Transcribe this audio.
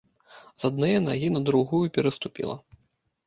З аднае нагі на другую пераступіла.